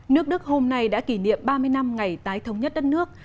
nước đức hôm nay đã kỷ niệm ba mươi năm ngày tái thống nhất đất nước